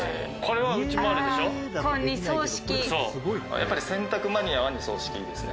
やっぱり洗濯マニアは二槽式ですね。